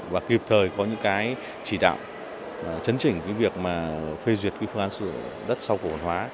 và kịp thời có những cái chỉ đạo chấn chỉnh cái việc mà phê duyệt cái phương án sử dụng đất sau cổ phần hóa